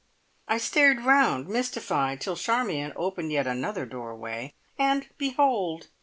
I stared round mystified, till Charmion opened yet another doorway, and behold!